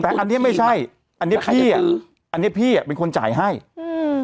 แต่อันเนี้ยไม่ใช่อันนี้พี่อ่ะอันเนี้ยพี่อ่ะเป็นคนจ่ายให้อืม